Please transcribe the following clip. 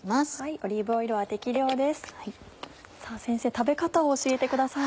食べ方を教えてください。